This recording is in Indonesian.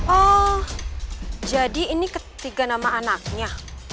oh jadi ini ketiga nama anaknya